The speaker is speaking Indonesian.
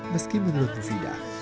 meski menurut mufidah